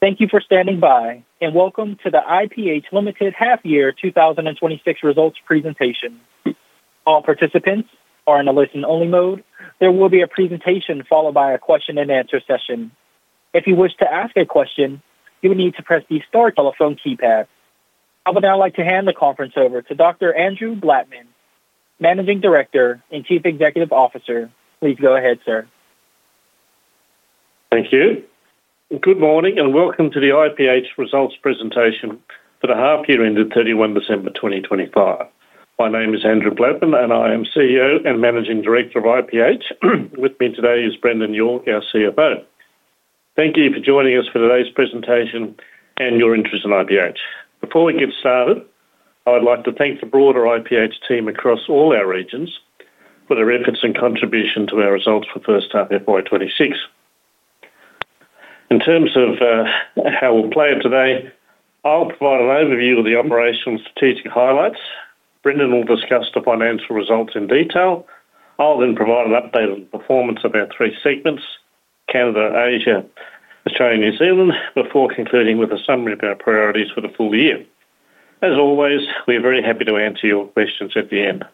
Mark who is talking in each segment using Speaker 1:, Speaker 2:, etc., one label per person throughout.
Speaker 1: Thank you for standing by, and welcome to the IPH Limited half year 2026 results presentation. All participants are in a listen-only mode. There will be a presentation followed by a question and answer session. If you wish to ask a question, you will need to press the star telephone keypad. I would now like to hand the conference over to Dr. Andrew Blattman, Managing Director and Chief Executive Officer. Please go ahead, sir.
Speaker 2: Thank you. Good morning, and welcome to the IPH results presentation for the half year ended 31 December 2025. My name is Andrew Blattman, and I am CEO and Managing Director of IPH. With me today is Brendan York, our CFO. Thank you for joining us for today's presentation and your interest in IPH. Before we get started, I would like to thank the broader IPH team across all our regions for their efforts and contribution to our results for the first half of FY 2026. In terms of, how we'll play out today, I'll provide an overview of the operational and strategic highlights. Brendan will discuss the financial results in detail. I'll then provide an update on the performance of our three segments: Canada, Asia, Australia, and New Zealand, before concluding with a summary of our priorities for the full year. As always, we're very happy to answer your questions at the end.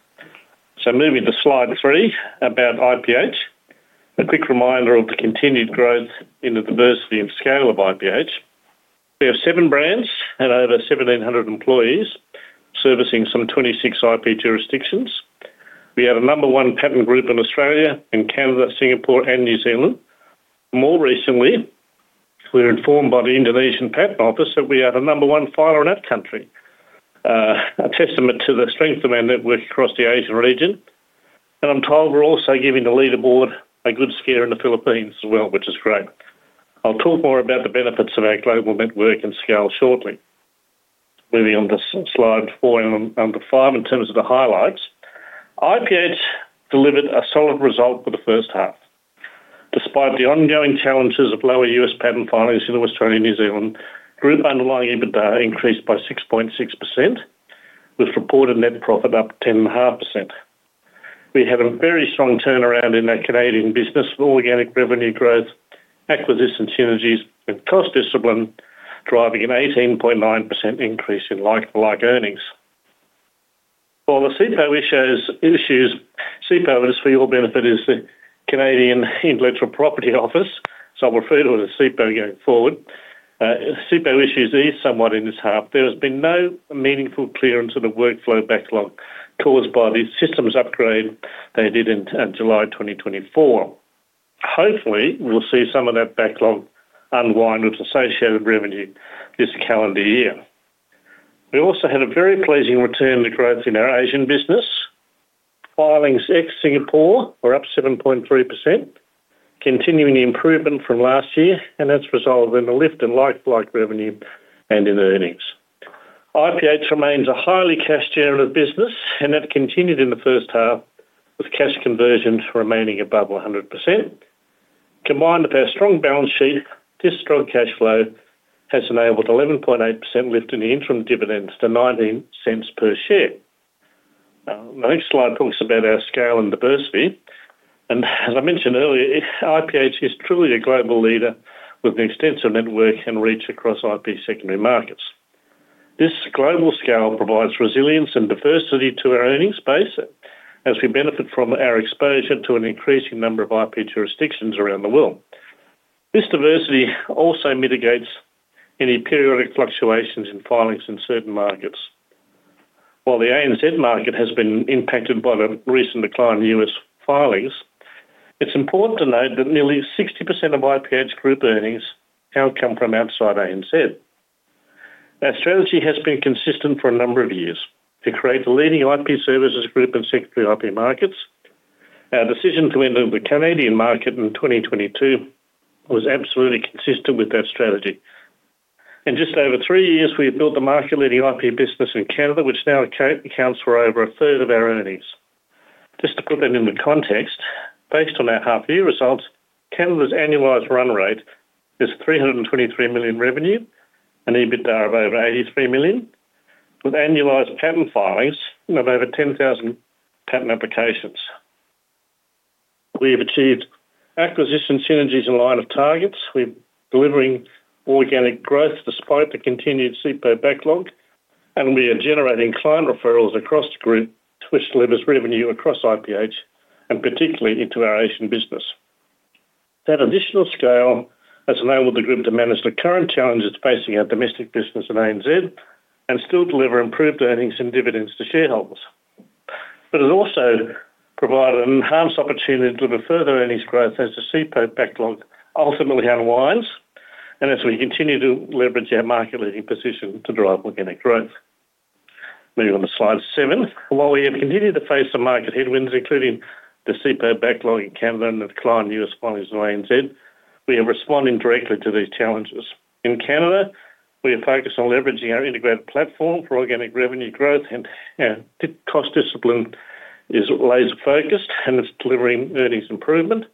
Speaker 2: So moving to slide 3 about IPH, a quick reminder of the continued growth in the diversity and scale of IPH. We have 7 brands and over 1,700 employees servicing some 26 IP jurisdictions. We are the number one patent group in Australia and Canada, Singapore, and New Zealand. More recently, we're informed by the Indonesian Patent Office that we are the number one filer in that country, a testament to the strength of our network across the Asian region. And I'm told we're also giving the leaderboard a good scare in the Philippines as well, which is great. I'll talk more about the benefits of our global network and scale shortly. Moving on to slide 4 and number 5 in terms of the highlights. IPH delivered a solid result for the first half. Despite the ongoing challenges of lower U.S. patent filings in Australia and New Zealand, group underlying EBITDA increased by 6.6%, with reported net profit up 10.5%. We had a very strong turnaround in our Canadian business with organic revenue growth, acquisition synergies, and cost discipline, driving an 18.9% increase in like-for-like earnings. While the CIPO issues, CIPO, just for your benefit, is the Canadian Intellectual Property Office, so I'll refer to it as CIPO going forward. CIPO issues is somewhat in this half. There has been no meaningful clearance of the workflow backlog caused by the systems upgrade they did in July 2024. Hopefully, we'll see some of that backlog unwind with associated revenue this calendar year. We also had a very pleasing return to growth in our Asian business. Filings ex-Singapore were up 7.3%, continuing the improvement from last year, and that's resulted in a lift in like-for-like revenue and in earnings. IPH remains a highly cash generative business, and that continued in the first half, with cash conversion remaining above 100%. Combined with our strong balance sheet, this strong cash flow has enabled 11.8% lift in the interim dividends to 0.19 per share. Now, the next slide talks about our scale and diversity, and as I mentioned earlier, IPH is truly a global leader with an extensive network and reach across IP secondary markets. This global scale provides resilience and diversity to our earnings base as we benefit from our exposure to an increasing number of IP jurisdictions around the world. This diversity also mitigates any periodic fluctuations in filings in certain markets. While the ANZ market has been impacted by the recent decline in U.S. filings, it's important to note that nearly 60% of IPH group earnings now come from outside ANZ. Our strategy has been consistent for a number of years: to create a leading IP services group in secondary IP markets. Our decision to enter the Canadian market in 2022 was absolutely consistent with that strategy. In just over three years, we have built a market-leading IP business in Canada, which now accounts for over a third of our earnings. Just to put that into context, based on our half-year results, Canada's annualized run rate is 323 million in revenue and EBITDA of over 83 million, with annualized patent filings of over 10,000 patent applications. We have achieved acquisition synergies in line of targets. We're delivering organic growth despite the continued CIPO backlog, and we are generating client referrals across the group, which delivers revenue across IPH and particularly into our Asian business. That additional scale has enabled the group to manage the current challenges facing our domestic business in ANZ and still deliver improved earnings and dividends to shareholders. But it also provided an enhanced opportunity to deliver further earnings growth as the CIPO backlog ultimately unwinds and as we continue to leverage our market-leading position to drive organic growth. Moving on to slide seven. While we have continued to face some market headwinds, including the CIPO backlog in Canada and the decline in U.S. filings in ANZ, we are responding directly to these challenges. In Canada, we are focused on leveraging our integrated platform for organic revenue growth, and cost discipline is laser-focused, and it's delivering earnings improvement.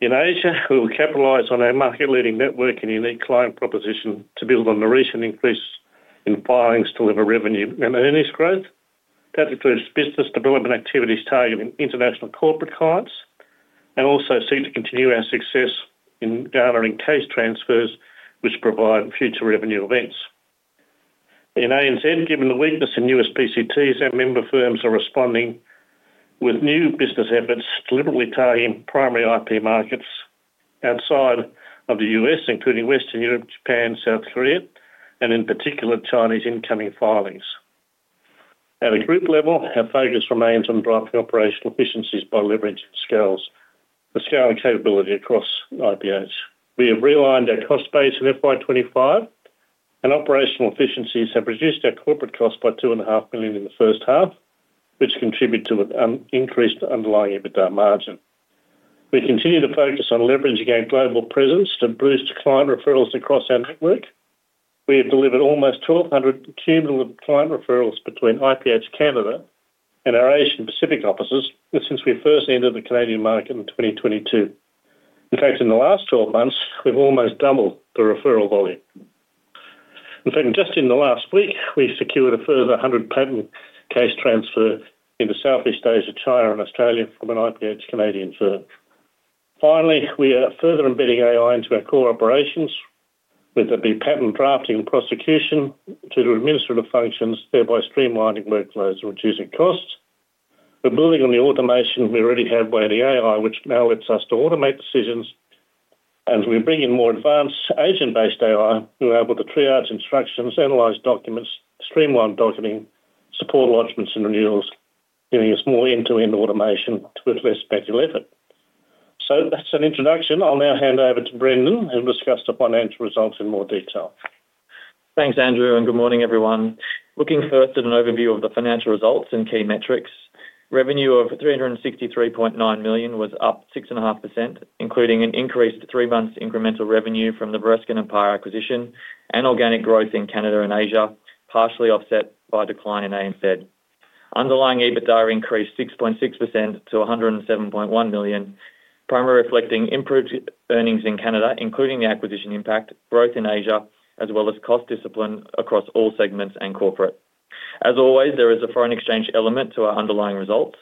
Speaker 2: In Asia, we will capitalize on our market-leading network and unique client proposition to build on the recent increase in filings to deliver revenue and earnings growth. That includes business development activities targeting international corporate clients and also seek to continue our success in gathering case transfers, which provide future revenue events. In ANZ, given the weakness in U.S. PCTs, our member firms are responding with new business efforts to deliberately tie in primary IP markets outside of the U.S., including Western Europe, Japan, South Korea, and in particular, Chinese incoming filings. At a group level, our focus remains on driving operational efficiencies by leveraging scales- the scaling capability across IPH. We have realigned our cost base in FY 2025, and operational efficiencies have reduced our corporate costs by 2.5 million in the first half, which contributed to an increased underlying EBITDA margin. We continue to focus on leveraging our global presence to boost client referrals across our network. We have delivered almost 1,200 cumulative client referrals between IPH Canada and our Asian Pacific offices since we first entered the Canadian market in 2022. In fact, in the last 12 months, we've almost doubled the referral volume. In fact, just in the last week, we secured a further 100 patent case transfer in the Southeast Asia, China, and Australia from an IPH Canadian firm. Finally, we are further embedding AI into our core operations, whether it be patent drafting and prosecution to the administrative functions, thereby streamlining workflows and reducing costs. We're building on the automation we already have by the AI, which now lets us to automate decisions, and we bring in more advanced agent-based AI, who are able to triage instructions, analyze documents, streamline docketing, support lodgments and renewals, giving us more end-to-end automation with less manual effort. So that's an introduction. I'll now hand over to Brendan, who'll discuss the financial results in more detail.
Speaker 3: Thanks, Andrew, and good morning, everyone. Looking first at an overview of the financial results and key metrics. Revenue of 363.9 million was up 6.5%, including an increase to 3 months incremental revenue from the Bereskin & Parr acquisition and organic growth in Canada and Asia, partially offset by a decline in ANZ. Underlying EBITDA increased 6.6% to 107.1 million, primarily reflecting improved earnings in Canada, including the acquisition impact, growth in Asia, as well as cost discipline across all segments and corporate. As always, there is a foreign exchange element to our underlying results.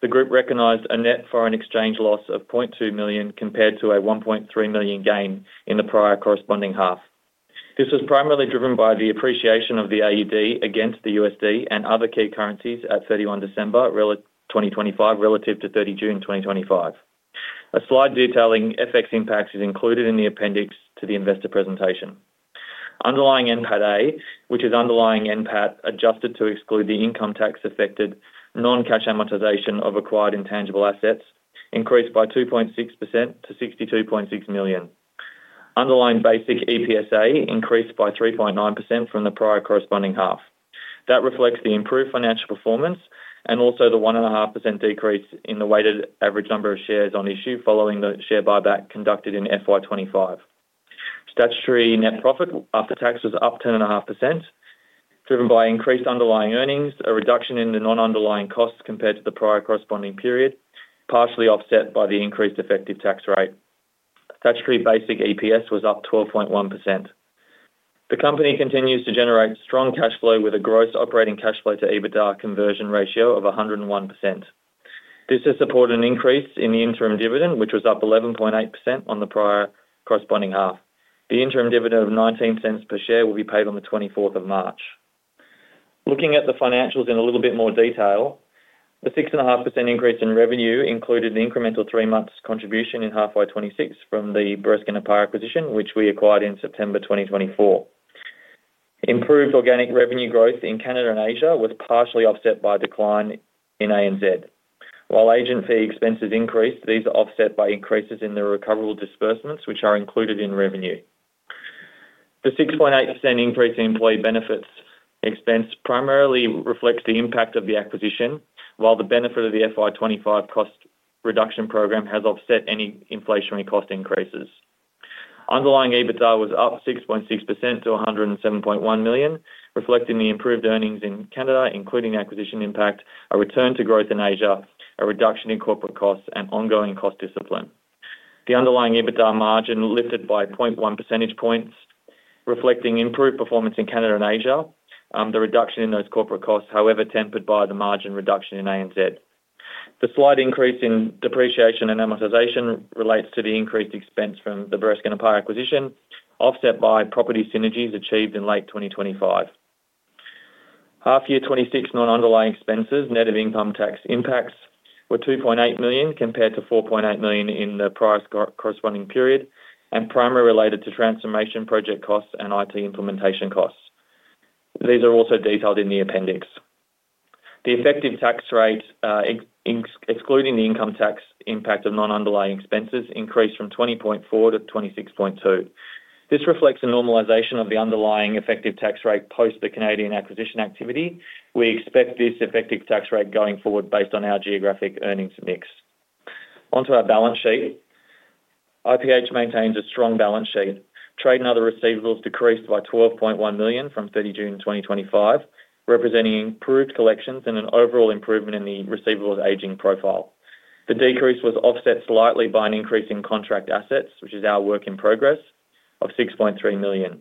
Speaker 3: The group recognized a net foreign exchange loss of 0.2 million compared to a 1.3 million gain in the prior corresponding half. This was primarily driven by the appreciation of the AUD against the USD and other key currencies at 31 December 2025 relative to 30 June 2025. A slide detailing FX impacts is included in the appendix to the investor presentation. Underlying NPAT-A, which is underlying NPAT, adjusted to exclude the income tax-affected non-cash amortization of acquired intangible assets, increased by 2.6% to 62.6 million. Underlying basic EPSA increased by 3.9% from the prior corresponding half. That reflects the improved financial performance and also the 1.5% decrease in the weighted average number of shares on issue following the share buyback conducted in FY 2025. Statutory net profit after tax was up 10.5%, driven by increased underlying earnings, a reduction in the non-underlying costs compared to the prior corresponding period, partially offset by the increased effective tax rate. Statutory basic EPS was up 12.1%. The company continues to generate strong cash flow, with a gross operating cash flow to EBITDA conversion ratio of 101%. This has supported an increase in the interim dividend, which was up 11.8% on the prior corresponding half. The interim dividend of 0.19 per share will be paid on the twenty-fourth of March. Looking at the financials in a little bit more detail, the 6.5% increase in revenue included an incremental 3 months contribution in H1 FY 2026 from the Bereskin & Parr acquisition, which we acquired in September 2024. Improved organic revenue growth in Canada and Asia was partially offset by a decline in ANZ. While agent fee expenses increased, these are offset by increases in the recoverable disbursements, which are included in revenue. The 6.8% increase in employee benefits expense primarily reflects the impact of the acquisition, while the benefit of the FY 2025 cost reduction program has offset any inflationary cost increases. Underlying EBITDA was up 6.6% to 107.1 million, reflecting the improved earnings in Canada, including the acquisition impact, a return to growth in Asia, a reduction in corporate costs, and ongoing cost discipline. The underlying EBITDA margin lifted by 0.1 percentage points, reflecting improved performance in Canada and Asia. The reduction in those corporate costs, however tempered by the margin reduction in ANZ. The slight increase in depreciation and amortization relates to the increased expense from the Bereskin & Parr acquisition, offset by property synergies achieved in late 2025. Half year 2026 non-underlying expenses, net of income tax impacts, were 2.8 million, compared to 4.8 million in the prior corresponding period, and primarily related to transformation project costs and IT implementation costs. These are also detailed in the appendix. The effective tax rate, excluding the income tax impact of non-underlying expenses, increased from 20.4% to 26.2%. This reflects a normalization of the underlying effective tax rate post the Canadian acquisition activity. We expect this effective tax rate going forward based on our geographic earnings mix. Onto our balance sheet. IPH maintains a strong balance sheet. Trade and other receivables decreased by 12.1 million from 30 June 2025, representing improved collections and an overall improvement in the receivables aging profile. The decrease was offset slightly by an increase in contract assets, which is our work in progress of 6.3 million.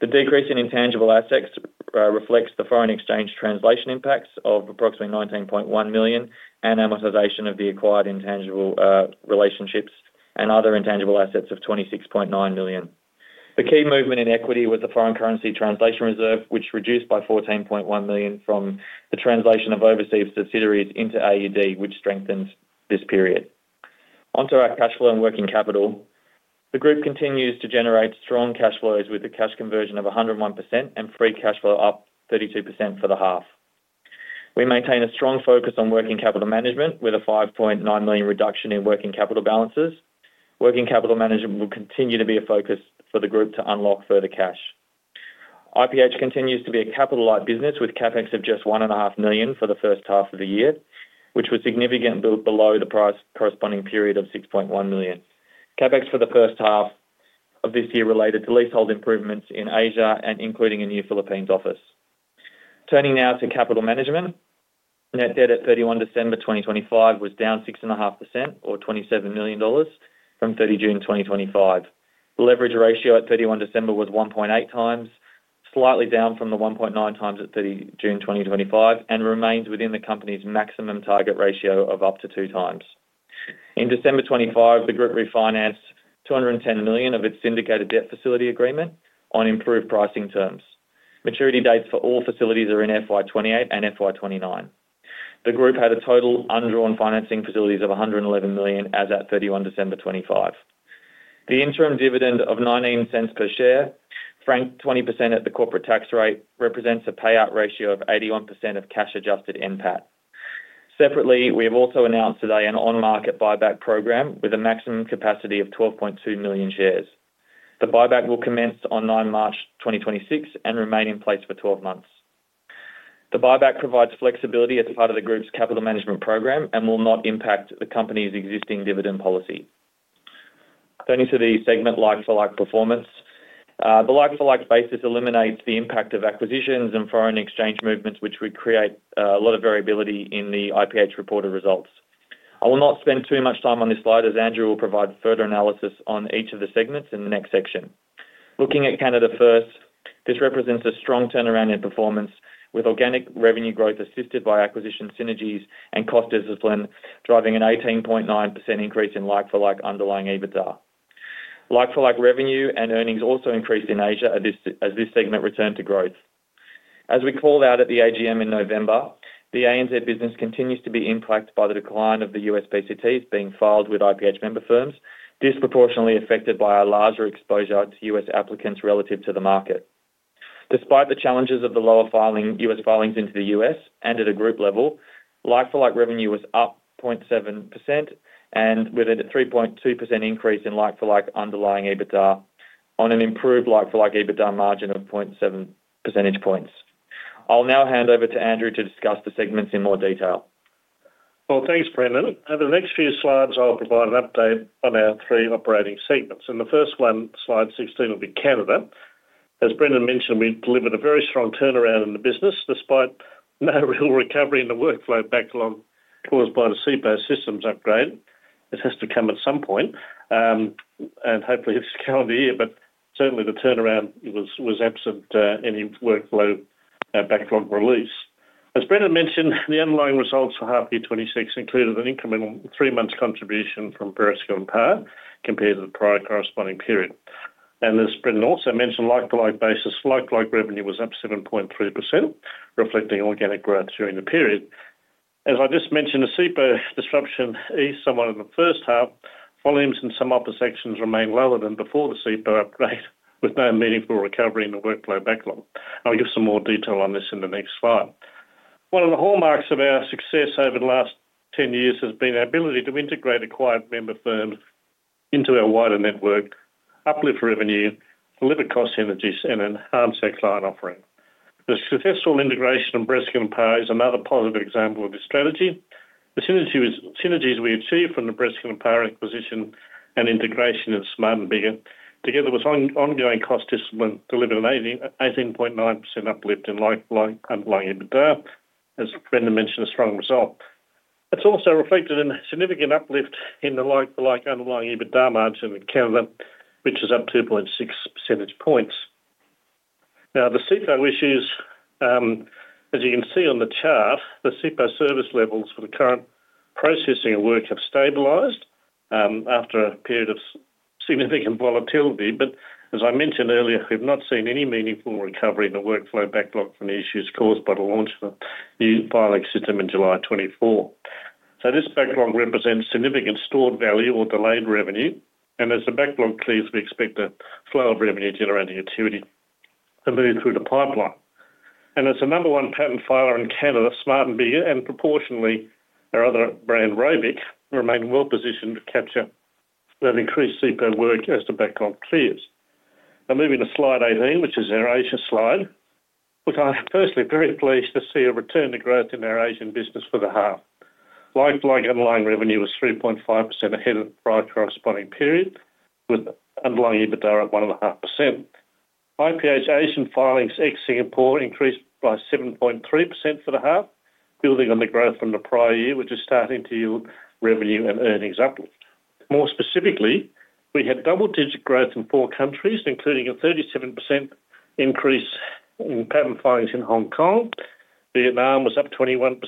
Speaker 3: The decrease in intangible assets reflects the foreign exchange translation impacts of approximately 19.1 million and amortization of the acquired intangible relationships and other intangible assets of 26.9 million. The key movement in equity was the foreign currency translation reserve, which reduced by 14.1 million from the translation of overseas subsidiaries into AUD, which strengthens this period. Onto our cash flow and working capital. The group continues to generate strong cash flows, with a cash conversion of 101% and free cash flow up 32% for the half. We maintain a strong focus on working capital management, with a 5.9 million reduction in working capital balances. Working capital management will continue to be a focus for the group to unlock further cash. IPH continues to be a capital-light business, with CapEx of just 1.5 million for the first half of the year, which was significantly below the prior corresponding period of 6.1 million. CapEx for the first half of this year related to leasehold improvements in Asia and including a new Philippines office. Turning now to capital management. Net debt at 31 December 2025 was down 6.5% or 27 million dollars from 30 June 2025. Leverage ratio at 31 December was 1.8 times, slightly down from the 1.9 times at 30 June 2025, and remains within the company's maximum target ratio of up to 2 times. In December 2025, the group refinanced 210 million of its syndicated debt facility agreement on improved pricing terms. Maturity dates for all facilities are in FY 2028 and FY 2029. The group had a total undrawn financing facilities of 111 million as at 31 December 2025. The interim dividend of 0.19 per share, franked 20% at the corporate tax rate, represents a payout ratio of 81% of cash-adjusted NPAT. Separately, we have also announced today an on-market buyback program with a maximum capacity of 12.2 million shares. The buyback will commence on 9 March 2026 and remain in place for 12 months. The buyback provides flexibility as part of the group's capital management program and will not impact the company's existing dividend policy. Turning to the segment like-for-like performance. The like-for-like basis eliminates the impact of acquisitions and foreign exchange movements, which would create a lot of variability in the IPH reported results. I will not spend too much time on this slide, as Andrew will provide further analysis on each of the segments in the next section. Looking at Canada first, this represents a strong turnaround in performance, with organic revenue growth assisted by acquisition synergies and cost discipline, driving an 18.9% increase in like-for-like underlying EBITDA. Like-for-like revenue and earnings also increased in Asia as this segment returned to growth. As we called out at the AGM in November, the ANZ business continues to be impacted by the decline of the U.S. PCTs being filed with IPH member firms, disproportionately affected by our larger exposure to U.S. applicants relative to the market. Despite the challenges of the lower U.S. filings into the U.S. and at a group level, like-for-like revenue was up 0.7% and with a 3.2% increase in like-for-like underlying EBITDA on an improved like-for-like EBITDA margin of 0.7 percentage points. I'll now hand over to Andrew to discuss the segments in more detail.
Speaker 2: Well, thanks, Brendan. Over the next few slides, I'll provide an update on our three operating segments. The first one, slide 16, will be Canada. As Brendan mentioned, we delivered a very strong turnaround in the business, despite no real recovery in the workflow backlog caused by the CIPO systems upgrade. It has to come at some point, and hopefully, it's calendar year, but certainly, the turnaround was absent any workflow backlog release. As Brendan mentioned, the underlying results for half year 2026 included an incremental 3-month contribution from Bereskin & Parr compared to the prior corresponding period. And as Brendan also mentioned, like-to-like basis, like-for-like revenue was up 7.3%, reflecting organic growth during the period. As I just mentioned, the CIPO disruption eased somewhat in the first half. Volumes in some other sections remained lower than before the CIPO upgrade, with no meaningful recovery in the workload backlog. I'll give some more detail on this in the next slide. One of the hallmarks of our success over the last 10 years has been our ability to integrate acquired member firms into our wider network, uplift revenue, deliver cost synergies, and enhance our client offering. The successful integration of Bereskin & Parr is another positive example of this strategy. The synergies we achieved from the Bereskin & Parr acquisition and integration of Smart & Biggar, together with ongoing cost discipline, delivered an 18.9% uplift in like-for-like underlying EBITDA. As Brendan mentioned, a strong result. It's also reflected in a significant uplift in the like-for-like underlying EBITDA margin in Canada, which is up 2.6 percentage points. Now, the CIPO issues, as you can see on the chart, the CIPO service levels for the current processing of work have stabilized, after a period of significant volatility. But as I mentioned earlier, we've not seen any meaningful recovery in the workflow backlog from the issues caused by the launch of the new filing system in July of 2024. So this backlog represents significant stored value or delayed revenue, and as the backlog clears, we expect a flow of revenue-generating activity to move through the pipeline. And as the number one patent filer in Canada, Smart & Biggar, and proportionately, our other brand, ROBIC, remain well positioned to capture that increased CIPO work as the backlog clears. Now, moving to slide 18, which is our Asia slide. Look, I'm personally very pleased to see a return to growth in our Asian business for the half. Like-for-Like underlying revenue was 3.5% ahead of the prior corresponding period, with underlying EBITDA at 1.5%. IPH Asian filings ex-Singapore increased by 7.3% for the half, building on the growth from the prior year, which is starting to yield revenue and earnings uplift. More specifically, we had double-digit growth in four countries, including a 37% increase in patent filings in Hong Kong. Vietnam was up 21%,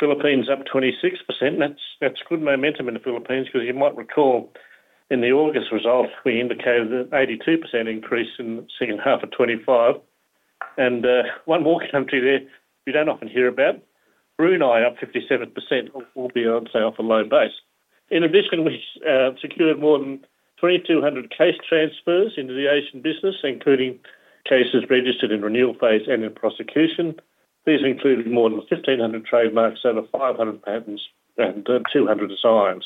Speaker 2: Philippines up 26%. That's, that's good momentum in the Philippines, because you might recall in the August results, we indicated an 82% increase in the second half of 2025. And one more country there we don't often hear about, Brunei, up 57%, all be honest, off a low base. In addition, we secured more than 2,200 case transfers into the Asian business, including cases registered in renewal phase and in prosecution. These included more than 1,500 trademarks, over 500 patents, and 200 designs.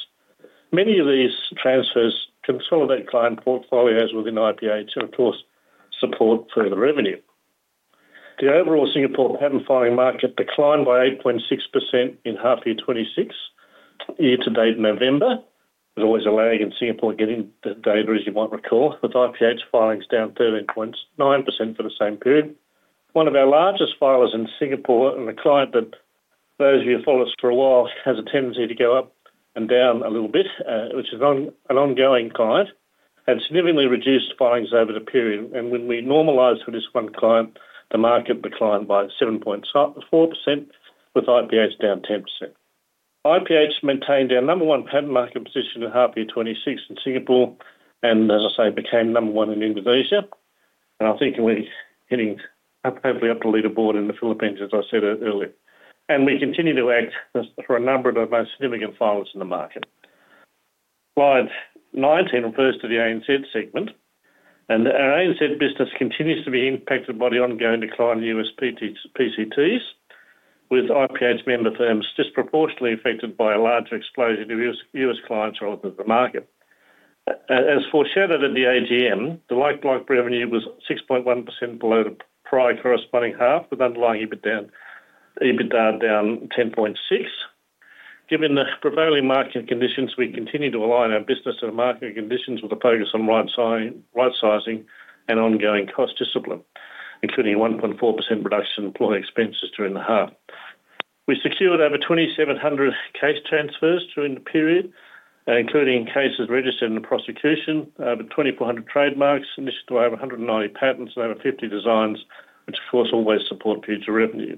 Speaker 2: Many of these transfers consolidate client portfolios within IPH and, of course, support further revenue. The overall Singapore patent filing market declined by 8.6% in half year 2026. Year to date, November, there's always a lag in Singapore getting the data, as you might recall, with IPH filings down 13.9% for the same period. One of our largest filers in Singapore and a client that those of you who follow us for a while has a tendency to go up and down a little bit, which is an ongoing client, had significantly reduced filings over the period. When we normalize for this one client, the market declined by 7.4%, with IPH down 10%. IPH maintained our number one patent market position in half year 2026 in Singapore and, as I say, became number one in Indonesia. I think we're heading up, hopefully up to lead a board in the Philippines, as I said earlier. We continue to act as for a number of the most significant filers in the market. Slide 19 refers to the ANZ segment, and our ANZ business continues to be impacted by the ongoing decline in U.S. PT, PCTs, with IPH member firms disproportionately affected by a larger exposure to U.S. clients relative to the market. As foreshadowed at the AGM, the like-for-like revenue was 6.1% below the prior corresponding half, with underlying EBIT down, EBITDA down 10.6%. Given the prevailing market conditions, we continue to align our business to the market conditions with a focus on right-sizing, right-sizing and ongoing cost discipline, including a 1.4% reduction in employee expenses during the half. We secured over 2,700 case transfers during the period, including cases registered in the prosecution, over 2,400 trademarks, initial to over 190 patents, and over 50 designs, which, of course, always support future revenue.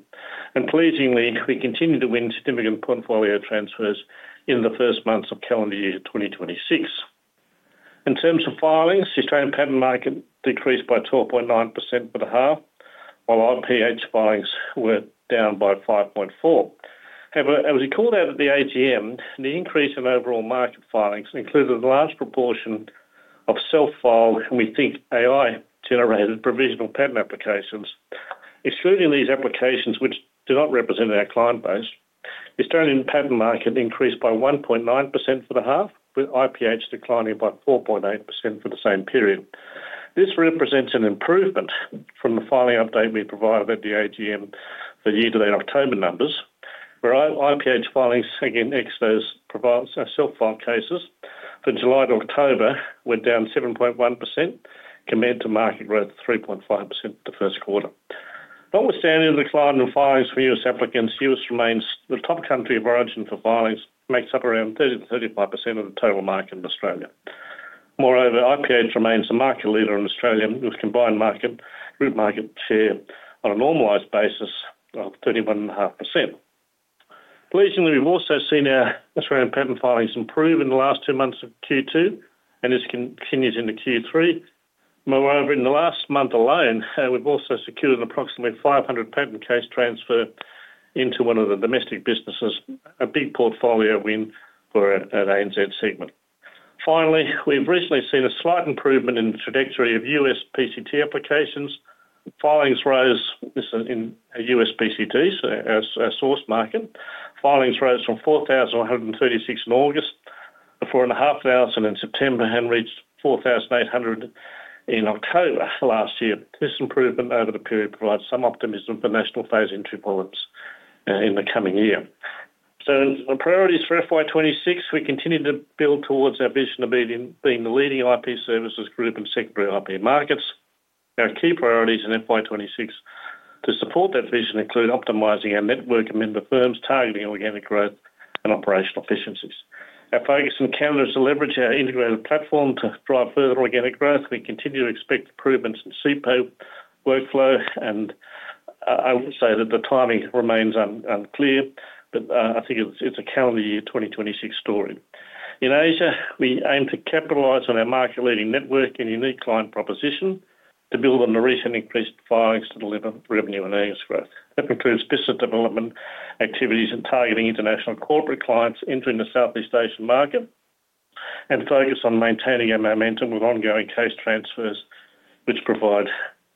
Speaker 2: Pleasingly, we continue to win significant portfolio transfers in the first months of calendar year 2026. In terms of filings, the Australian patent market decreased by 12.9% for the half, while IPH filings were down by 5.4%. However, as we called out at the AGM, the increase in overall market filings included a large proportion of self-filed, and we think AI-generated provisional patent applications. Excluding these applications, which do not represent our client base, the Australian patent market increased by 1.9% for the half, with IPH declining by 4.8% for the same period. This represents an improvement from the filing update we provided at the AGM for the year to the October numbers, where IPH filings, again, ex those provided self-filed cases for July to October were down 7.1% compared to market growth of 3.5% the first quarter. Notwithstanding the decline in filings for U.S. applicants, U.S. remains the top country of origin for filings, makes up around 30%-35% of the total market in Australia. Moreover, IPH remains the market leader in Australia, with combined market group market share on a normalized basis of 31.5%. Pleasingly, we've also seen our Australian patent filings improve in the last two months of Q2, and this continues into Q3. Moreover, in the last month alone, we've also secured an approximately 500 patent case transfer into one of the domestic businesses, a big portfolio win for our, our ANZ segment. Finally, we've recently seen a slight improvement in the trajectory of U.S. PCT applications. Filings rose, this is in our U.S. PCT, so our, our source market. Filings rose from 4,136 in August, 4,500 in September, and reached 4,800 in October last year. This improvement over the period provides some optimism for national phase entry volumes, in the coming year. So the priorities for FY 2026, we continue to build towards our vision of being, being the leading IP services group in secondary IP markets. Our key priorities in FY 2026 to support that vision include optimizing our network of member firms, targeting organic growth and operational efficiencies. Our focus in Canada is to leverage our integrated platform to drive further organic growth. We continue to expect improvements in CIPO workflow, and I would say that the timing remains unclear, but I think it's a calendar year 2026 story. In Asia, we aim to capitalize on our market-leading network and unique client proposition to build on the recent increased filings to deliver revenue and earnings growth. That includes business development activities and targeting international corporate clients entering the Southeast Asian market, and focus on maintaining our momentum with ongoing case transfers, which provide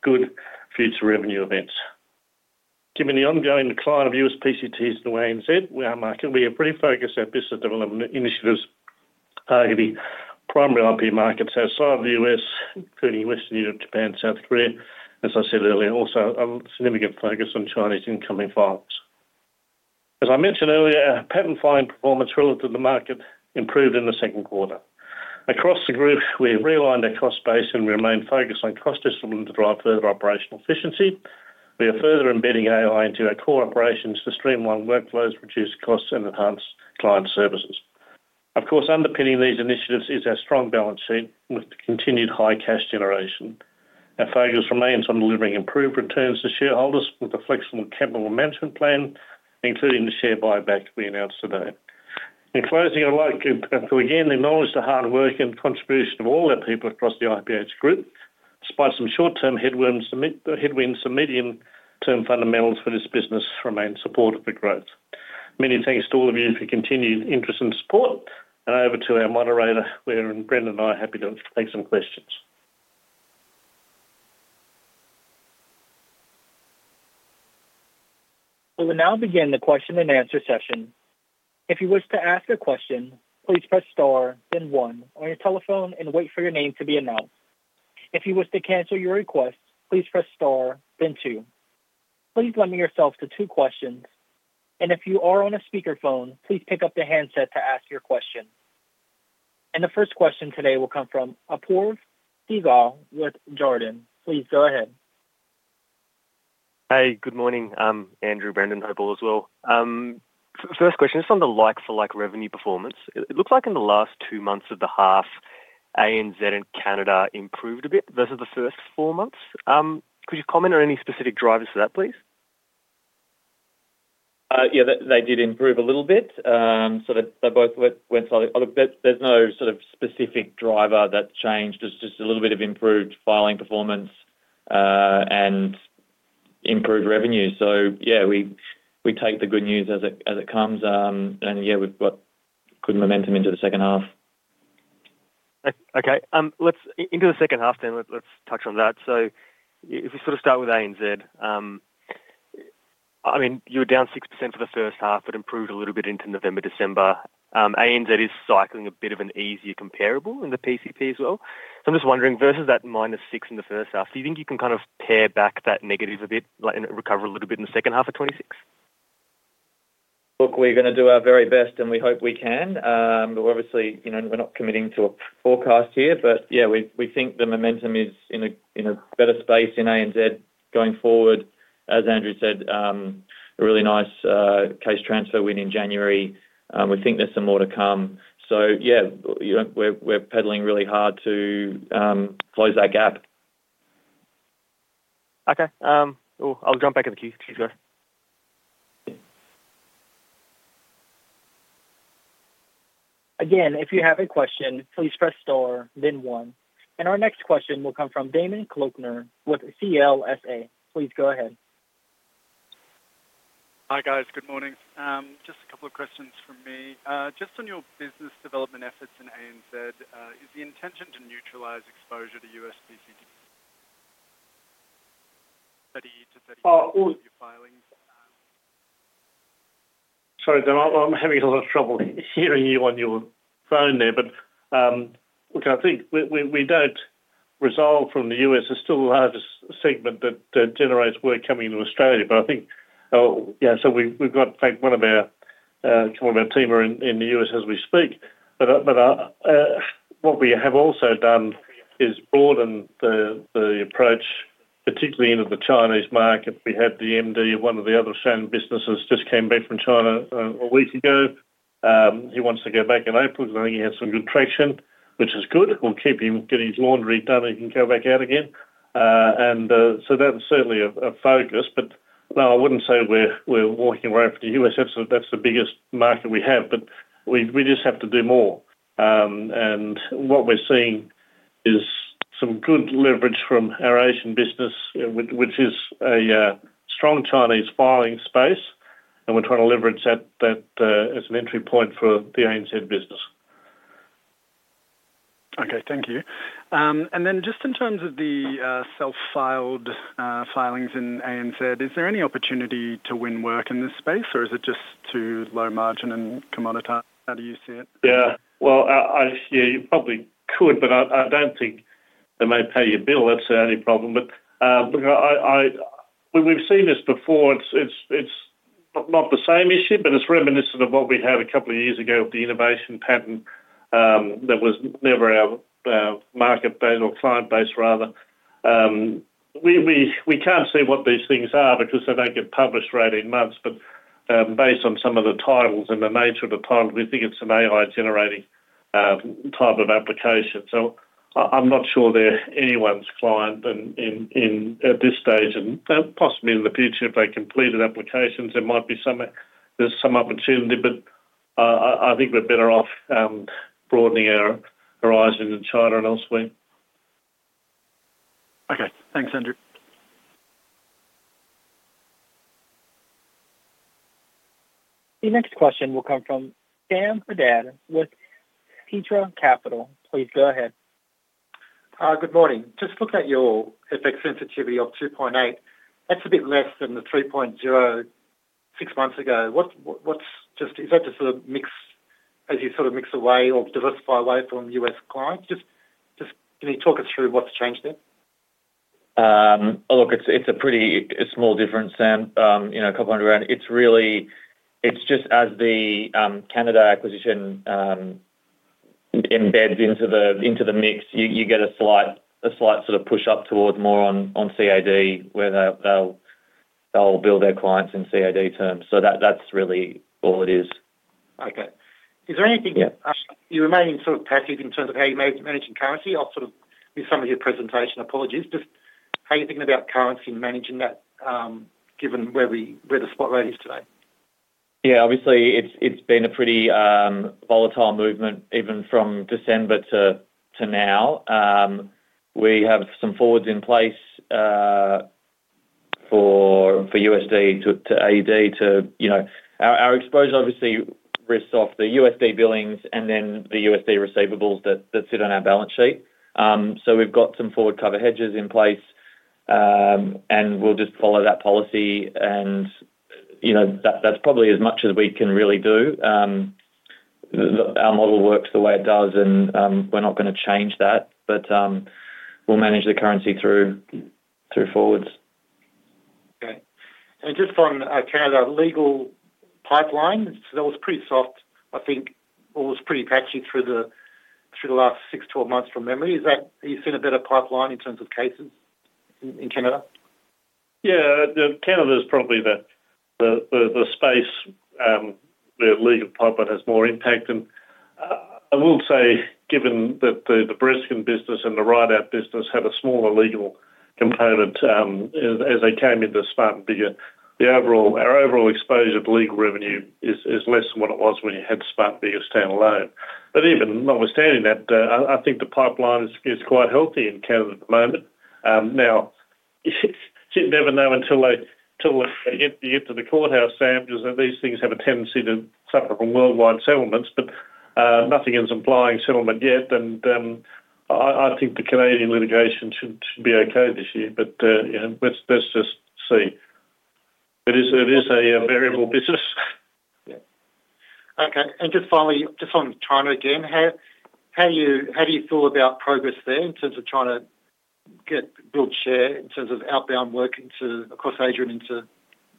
Speaker 2: good future revenue events. Given the ongoing decline of U.S. PCTs in the ANZ, our market, we have refocused our business development initiatives targeting primary IP markets outside of the U.S., including Western Europe, Japan, South Korea. As I said earlier, also a significant focus on Chinese incoming files. As I mentioned earlier, our patent filing performance relative to the market improved in the second quarter. Across the group, we've realigned our cost base and remained focused on cost discipline to drive further operational efficiency. We are further embedding AI into our core operations to streamline workflows, reduce costs, and enhance client services. Of course, underpinning these initiatives is our strong balance sheet with continued high cash generation. Our focus remains on delivering improved returns to shareholders with a flexible capital management plan, including the share buyback we announced today. In closing, I'd like to again acknowledge the hard work and contribution of all our people across the IPH group. Despite some short-term headwinds, the medium-term fundamentals for this business remain supportive of growth. Many thanks to all of you for your continued interest and support, and over to our moderator, where Brendan and I are happy to take some questions.
Speaker 1: We will now begin the question and answer session. If you wish to ask a question, please press star, then one on your telephone and wait for your name to be announced. If you wish to cancel your request, please press star, then two. Please limit yourself to two questions, and if you are on a speakerphone, please pick up the handset to ask your question. The first question today will come from Apoorv Sehgal with Jarden. Please, go ahead.
Speaker 4: Hey, good morning, Andrew, Brendan, hope all is well. First question is on the like-for-like revenue performance. It looks like in the last two months of the half, ANZ and Canada improved a bit versus the first four months. Could you comment on any specific drivers for that, please?
Speaker 3: Yeah, they did improve a little bit. So they both went solid. Look, there's no sort of specific driver that changed. It's just a little bit of improved filing performance and improved revenue. So yeah, we take the good news as it comes. And yeah, we've got good momentum into the second half.
Speaker 4: Okay. Let's into the second half then, let's touch on that. So if we sort of start with ANZ, I mean, you were down 6% for the first half, but improved a little bit into November, December. ANZ is cycling a bit of an easier comparable in the PCP as well. So I'm just wondering, versus that -6% in the first half, do you think you can kind of pare back that negative a bit, let it recover a little bit in the second half of 2026?
Speaker 3: Look, we're going to do our very best, and we hope we can. But obviously, you know, we're not committing to a forecast here. But yeah, we think the momentum is in a better space in ANZ going forward. As Andrew said, a really nice case transfer win in January. We think there's some more to come. So yeah, you know, we're pedaling really hard to close that gap.
Speaker 4: Okay. I'll jump back in the queue. Please go.
Speaker 1: Again, if you have a question, please press star, then one. Our next question will come from Damen Kloeckner with CLSA. Please go ahead.
Speaker 5: Hi, guys. Good morning. Just a couple of questions from me. Just on your business development efforts in ANZ, is the intention to neutralize exposure to U.S. PCT filings?
Speaker 2: Sorry, Damen, I'm having a lot of trouble hearing you on your phone there. But, look, I think we don't resolve from the U.S. It's still the largest segment that generates work coming into Australia, but I think... Yeah, so we've got, in fact, one of our team are in the U.S. as we speak. But, what we have also done is broadened the approach, particularly into the Chinese market. We had the MD of one of the other foreign businesses just came back from China, a week ago. He wants to go back in April. I think he has some good traction, which is good. We'll keep him get his laundry done, and he can go back out again. And, so that's certainly a focus, but no, I wouldn't say we're walking right after the U.S.. That's the biggest market we have, but we just have to do more. And what we're seeing is some good leverage from our Asian business, which is a strong Chinese filing space, and we're trying to leverage that as an entry point for the ANZ business.
Speaker 5: Okay. Thank you. And then just in terms of the self-filed filings in ANZ, is there any opportunity to win work in this space, or is it just too low margin and commoditized? How do you see it?
Speaker 2: Yeah. Well, yeah, you probably could, but I don't think they may pay your bill. That's the only problem. But look, we've seen this before. It's not the same issue, but it's reminiscent of what we had a couple of years ago with the innovation patent that was never our market base or client base, rather. We can't see what these things are because they don't get published for 18 months, but based on some of the titles and the nature of the title, we think it's some AI-generating type of application. So, I'm not sure they're anyone's client at this stage, and possibly in the future, if they completed applications, there might be some opportunity, but I think we're better off broadening our horizons in China and elsewhere.
Speaker 5: Okay. Thanks, Andrew.
Speaker 1: The next question will come from Sam Haddad with Petra Capital. Please go ahead.
Speaker 6: Good morning. Just looking at your FX sensitivity of 2.8, that's a bit less than the 3.0 six months ago. What, what's—just, is that to sort of mix as you sort of mix away or diversify away from U.S. clients? Just, just can you talk us through what's changed there?
Speaker 3: Look, it's a pretty small difference, Sam. You know, a couple hundred grand. It's really just as the Canada acquisition embeds into the mix, you get a slight sort of push up towards more on CAD, where they'll bill their clients in CAD terms. So that's really all it is.
Speaker 6: Okay. Is there anything-
Speaker 3: Yeah.
Speaker 6: You remain sort of passive in terms of how you're managing currency? I'll sort of... With some of your presentation, apologies, just how are you thinking about currency and managing that, given where we, where the spot rate is today?
Speaker 3: Yeah, obviously, it's been a pretty, you know, volatile movement, even from December to now. We have some forwards in place for USD to AUD to, you know—our exposure obviously risks off the USD billings and then the USD receivables that sit on our balance sheet. We've got some forward cover hedges in place, and we'll just follow that policy, and, you know, that's probably as much as we can really do. Our model works the way it does, and we're not gonna change that, but we'll manage the currency through forwards.
Speaker 6: Okay. And just on Canada, legal pipeline, that was pretty soft, I think, or was pretty patchy through the last 6, 12 months from memory. Is that? Are you seeing a better pipeline in terms of cases in Canada?
Speaker 2: Yeah. Canada is probably the space where legal pipeline has more impact. And I will say, given that the Bereskin business and the Ridout business have a smaller legal component, as they came into Smart & Biggar, the overall, our overall exposure to legal revenue is less than what it was when you had Smart & Biggar stand-alone. But even notwithstanding that, I think the pipeline is quite healthy in Canada at the moment. Now, you never know until you get to the courthouse, Sam, because these things have a tendency to suffer from worldwide settlements, but nothing is implying settlement yet. And I think the Canadian litigation should be okay this year, but you know, let's just see. It is a variable business.
Speaker 6: Yeah. Okay, just finally, just on China again, how, how you... How do you feel about progress there in terms of trying to get, build share, in terms of outbound work into across Asia and into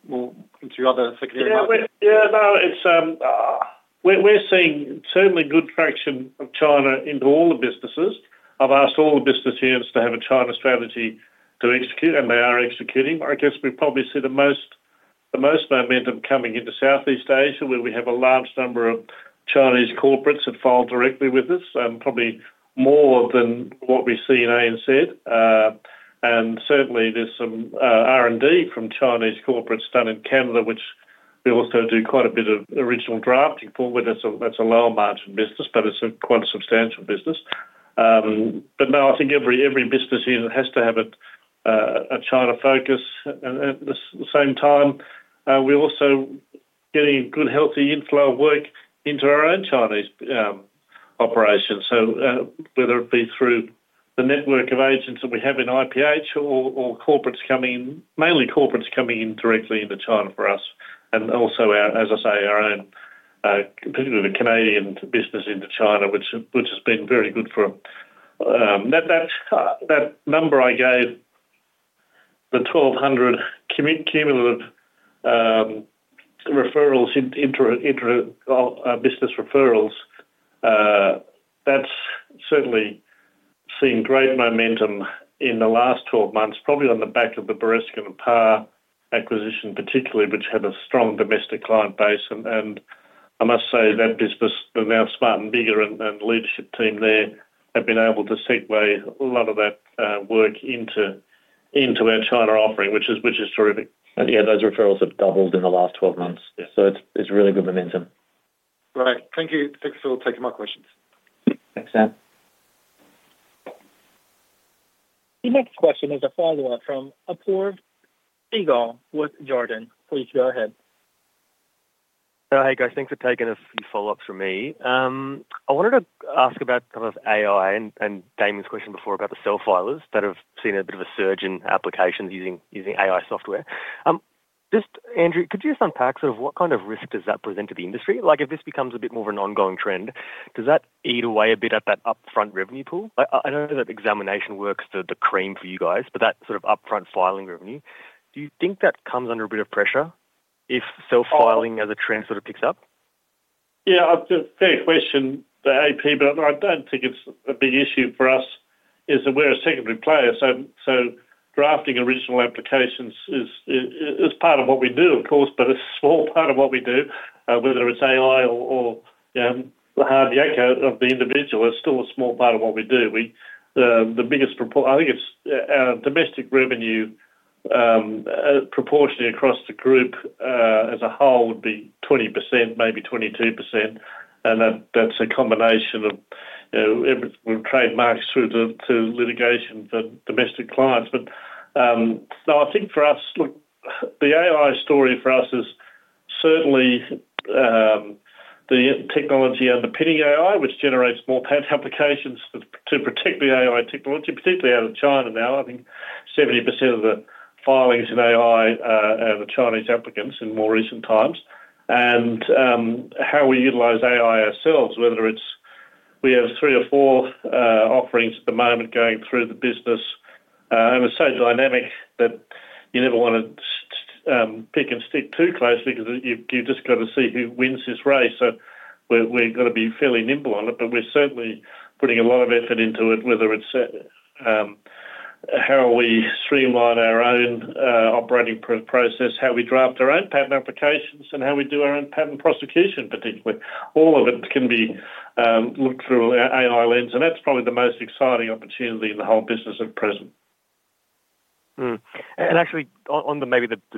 Speaker 6: more, into other secondary markets?
Speaker 2: Yeah, we, yeah, no, it's, we're seeing certainly good traction of China into all the businesses. I've asked all the business units to have a China strategy to execute, and they are executing. But I guess we probably see the most momentum coming into Southeast Asia, where we have a large number of Chinese corporates that file directly with us, probably more than what we see in ANZ. And certainly, there's some R&D from Chinese corporates done in Canada, which we also do quite a bit of original drafting for, but that's a lower margin business, but it's a quite substantial business. But no, I think every business unit has to have a China focus. At the same time, we're also getting good, healthy inflow of work into our own Chinese operations. So, whether it be through the network of agents that we have in IPH or corporates coming in, mainly corporates coming in directly into China for us, and also our, as I say, our own, particularly the Canadian business into China, which has been very good for that number I gave, the 1,200 cumulative referrals, intra-business referrals, that's certainly seen great momentum in the last 12 months, probably on the back of the Bereskin & Parr acquisition, particularly, which had a strong domestic client base. And I must say, that business, the now Smart & Biggar and leadership team there, have been able to segue a lot of that work into our China offering, which is terrific.
Speaker 3: Yeah, those referrals have doubled in the last 12 months.
Speaker 2: Yes.
Speaker 3: So it's really good momentum.
Speaker 6: Great. Thank you. Thanks for taking my questions.
Speaker 3: Thanks, Sam.
Speaker 1: The next question is a follow-up from Apoorv Sehgal with Jarden. Please go ahead.
Speaker 4: Oh, hey, guys. Thanks for taking a few follow-ups from me. I wanted to ask about kind of AI and Damen's question before about the self-filers that have seen a bit of a surge in applications using AI software. Just, Andrew, could you just unpack sort of what kind of risk does that present to the industry? Like, if this becomes a bit more of an ongoing trend, does that eat away a bit at that upfront revenue pool? I know that examination works the cream for you guys, but that sort of upfront filing revenue, do you think that comes under a bit of pressure if self-filing as a trend sort of picks up?
Speaker 2: Yeah, it's a fair question, the AP, but I don't think it's a big issue for us, is that we're a secondary player. So drafting original applications is part of what we do, of course, but a small part of what we do, whether it's AI or the hard yakka of the individual, it's still a small part of what we do. The biggest proportion I think it's domestic revenue proportionally across the group as a whole would be 20%, maybe 22%, and that's a combination of, you know, every trademarks through to litigation for domestic clients. But so I think for us, look, the AI story for us is certainly the technology underpinning AI, which generates more patent applications to protect the AI technology, particularly out of China now. I think 70% of the filings in AI are the Chinese applicants in more recent times. How we utilize AI ourselves, whether it's—we have three or four offerings at the moment going through the business. It's so dynamic that you never want to pick and stick too closely, 'cause you've just got to see who wins this race. We've got to be fairly nimble on it, but we're certainly putting a lot of effort into it, whether it's how we streamline our own operating process, how we draft our own patent applications, and how we do our own patent prosecution, particularly. All of it can be looked through an AI lens, and that's probably the most exciting opportunity in the whole business at present.
Speaker 4: And actually, on the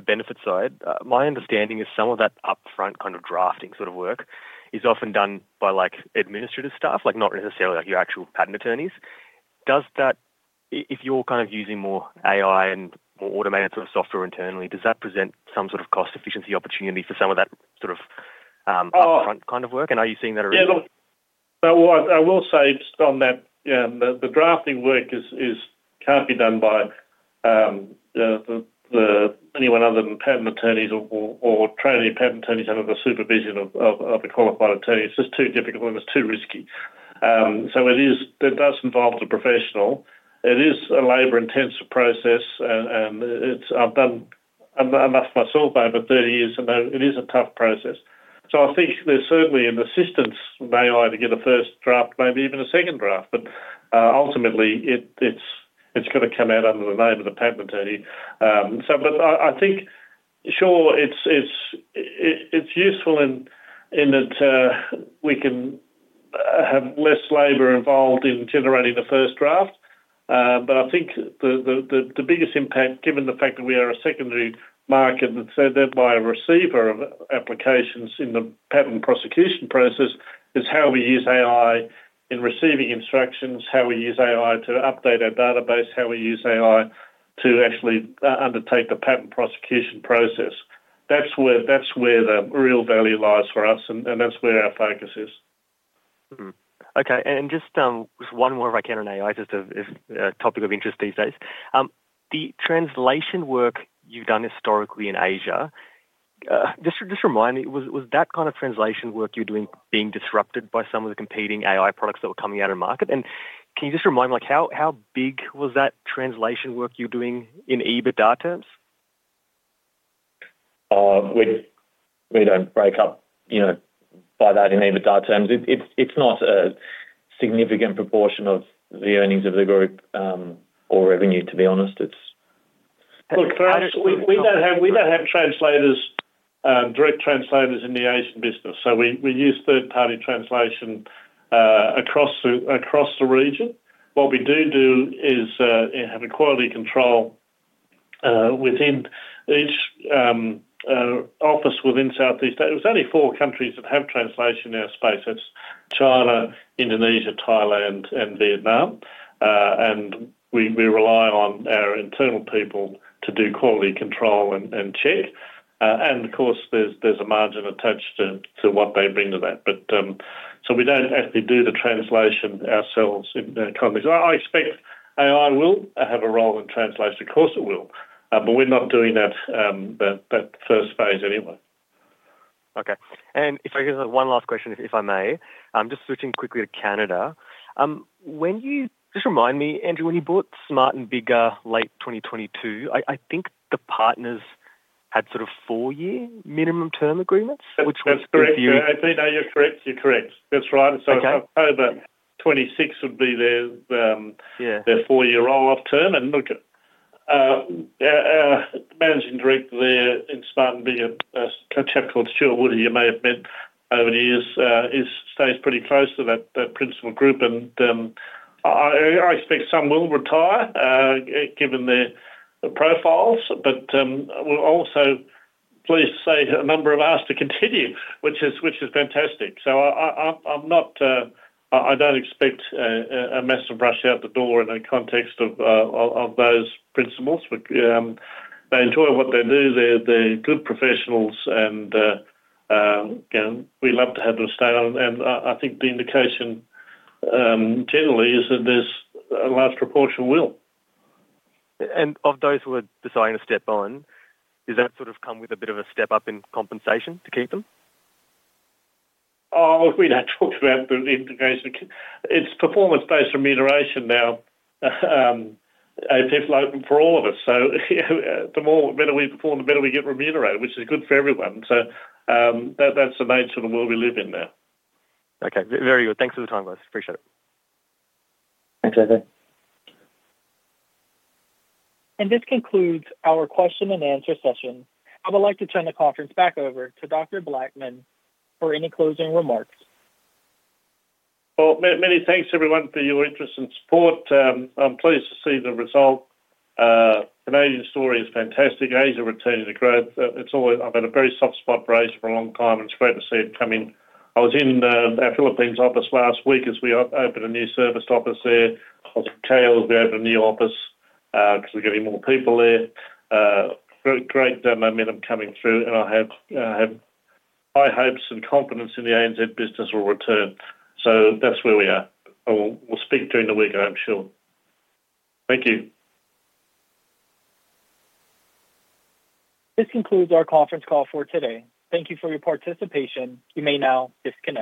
Speaker 4: benefit side, my understanding is some of that upfront kind of drafting sort of work is often done by, like, administrative staff, like, not necessarily like your actual patent attorneys. Does that—if you're kind of using more AI and more automated sort of software internally, does that present some sort of cost efficiency opportunity for some of that sort of-
Speaker 2: Oh.
Speaker 4: -upfront kind of work, and are you seeing that at all?
Speaker 2: Yeah, look, so what I will say just on that, the drafting work is can't be done by anyone other than patent attorneys or trainee patent attorneys under the supervision of a qualified attorney. It's just too difficult and it's too risky. So it is. It does involve the professional. It is a labor-intensive process, and it's I've done enough myself over 30 years, and it is a tough process. So I think there's certainly an assistance from AI to get a first draft, maybe even a second draft. But ultimately, it's got to come out under the name of the patent attorney. So but I think, sure, it's useful in that we can have less labor involved in generating the first draft. But I think the biggest impact, given the fact that we are a secondary market, and so thereby a receiver of applications in the patent prosecution process, is how we use AI in receiving instructions, how we use AI to update our database, how we use AI to actually undertake the patent prosecution process. That's where, that's where the real value lies for us, and that's where our focus is.
Speaker 4: Mm-hmm. Okay, and just one more if I can on AI, just as a topic of interest these days. The translation work you've done historically in Asia, just remind me, was that kind of translation work you're doing being disrupted by some of the competing AI products that were coming out of market? And can you just remind me, like, how big was that translation work you were doing in EBITDA terms?
Speaker 3: We don't break up, you know, by that in EBITDA terms. It's not a significant proportion of the earnings of the group or revenue, to be honest. It's-
Speaker 2: Look, we don't have, we don't have translators, direct translators in the Asian business, so we, we use third-party translation, across the, across the region. What we do do is, have a quality control, within each, office within Southeast Asia. There's only four countries that have translation in our space. That's China, Indonesia, Thailand, and Vietnam. And we, we rely on our internal people to do quality control and, and check. And, of course, there's, there's a margin attached to, to what they bring to that. But, so we don't actually do the translation ourselves in the countries. I, I expect AI will have a role in translation. Of course, it will. But we're not doing that, that, that first phase anyway.
Speaker 4: Okay. And if I could have one last question, if I may. Just switching quickly to Canada. Just remind me, Andrew, when you bought Smart & Biggar late 2022, I think the partners had sort of four-year minimum term agreements? Which was-
Speaker 2: That's correct.
Speaker 4: If you-
Speaker 2: AP, no, you're correct. You're correct. That's right.
Speaker 4: Okay.
Speaker 2: So October 26 would be their-
Speaker 4: Yeah
Speaker 2: -their four-year roll-off term, and look, our Managing Director there in Smart & Biggar, a chap called Stuart Wood, you may have met over the years, he stays pretty close to that principal group. And, I, I, I expect some will retire, given their, their profiles, but, we'll also please say a number have asked to continue, which is, which is fantastic. So I, I, I'm, I'm not, I, I don't expect a, a, a massive rush out the door in the context of, of, of those principals. But, they enjoy what they do, they're, they're good professionals, and, you know, we love to have them stay on. And I, I think the indication, generally is that there's a large proportion will.
Speaker 4: Of those who are deciding to step on, does that sort of come with a bit of a step up in compensation to keep them?
Speaker 2: Oh, we don't talk about the integration. It's performance-based remuneration now, IPH for all of us. So the more, better we perform, the better we get remunerated, which is good for everyone. So, that, that's the nature of the world we live in now.
Speaker 4: Okay. Very good. Thanks for the time, guys. Appreciate it.
Speaker 3: Thanks, Nathan.
Speaker 1: This concludes our question and answer session. I would like to turn the conference back over to Dr. Blattman for any closing remarks.
Speaker 2: Well, many, many thanks, everyone, for your interest and support. I'm pleased to see the result. Canadian story is fantastic. Asia returning to growth. It's always—I've had a very soft spot for Asia for a long time, and it's great to see it coming. I was in our Philippines office last week as we opened a new service office there. Of KL, we opened a new office, 'cause we're getting more people there. Very great momentum coming through, and I have high hopes and confidence in the ANZ business will return. So that's where we are, and we'll speak during the week, I'm sure. Thank you.
Speaker 1: This concludes our conference call for today. Thank you for your participation. You may now disconnect.